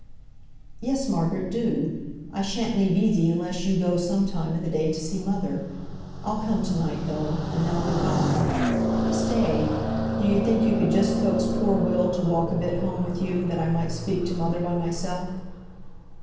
"Yes, Margaret, do! I shan't leave easy unless you go some time in the day to see mother. I'll come to night, though; and now good bye. Stay! do you think you could just coax poor Will to walk a bit home with you, that I might speak to mother by myself?"